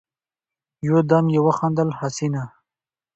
يودم يې وخندل: حسينه!